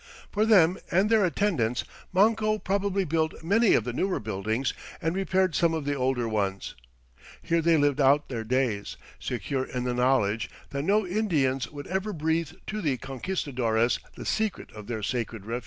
For them and their attendants Manco probably built many of the newer buildings and repaired some of the older ones. Here they lived out their days, secure in the knowledge that no Indians would ever breathe to the conquistadores the secret of their sacred refuge.